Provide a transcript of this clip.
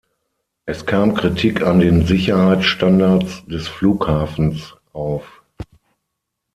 Es kam Kritik an den Sicherheitsstandards des Flughafens auf.